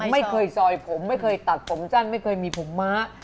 ไม่เคยซอยผมไม่เคยตัดผมสั้นไม่เคยมีผมม้า